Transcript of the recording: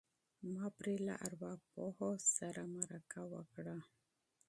ما پرې له ارواپوه سره مرکه وکړه.